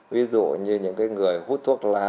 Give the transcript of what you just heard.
ví dụ như những người hút thuốc lá